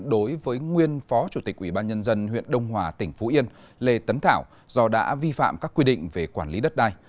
đối với nguyên phó chủ tịch ubnd huyện đông hòa tỉnh phú yên lê tấn thảo do đã vi phạm các quy định về quản lý đất đai